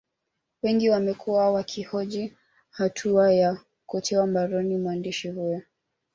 Wengi wamekuwa wakihoji hatua ya kutiwa mbaroni mwandishi huyo